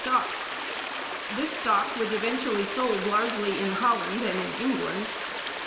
Scott; this stock was eventually sold largely in Holland and in England.